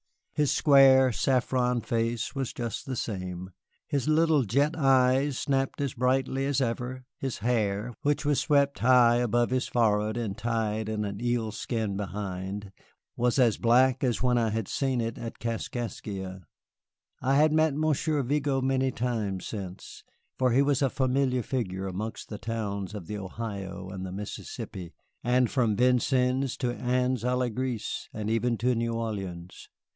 His square, saffron face was just the same, his little jet eyes snapped as brightly as ever, his hair which was swept high above his forehead and tied in an eelskin behind was as black as when I had seen it at Kaskaskia. I had met Monsieur Vigo many times since, for he was a familiar figure amongst the towns of the Ohio and the Mississippi, and from Vincennes to Anse à la Graisse, and even to New Orleans.